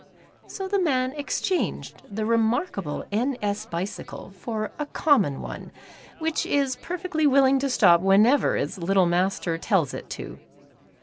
So the man exchanged the remarkable " N. S." bicycle for a common one, which is perfectly willing to stop whenever its little master tells it to.